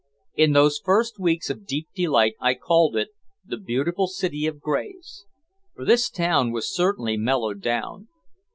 In those first weeks of deep delight I called it, "The Beautiful City of Grays." For this town was certainly mellowed down.